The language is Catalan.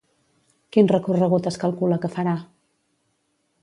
Quin recorregut es calcula que farà?